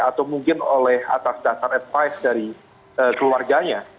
atau mungkin oleh atas dasar advice dari keluarganya